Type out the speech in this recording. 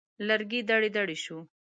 لرګی دړې دړې شو.